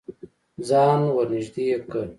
ځان ور نږدې که.